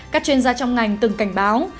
các chuyên gia trong ngành từng cảnh báo